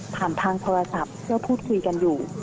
ผ่านทางโทรศัพท์เข้าพูดคุยกันอยู่